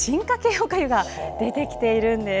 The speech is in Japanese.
おかゆが出てきているんです。